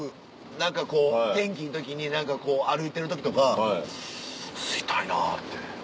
何かこう天気いい時に歩いてる時とか吸いたいなって。